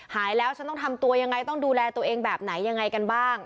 หายแล้วฉันต้องทำตัวยังไงต้องดูแลตัวเองแบบไหนยังไงกันบ้าง